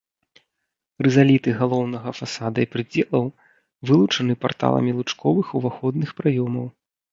Рызаліты галоўнага фасада і прыдзелаў вылучаны парталамі лучковых уваходных праёмаў.